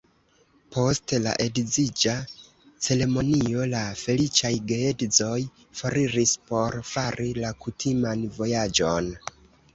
Post la edziĝa ceremonio, la feliĉaj geedzoj foriris por fari la kutiman vojaĝon.